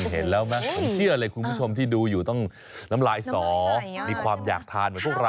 เห็นไหมผมเชื่อเลยคุณผู้ชมที่ดูอยู่ต้องน้ำลายสอมีความอยากทานเหมือนพวกเรา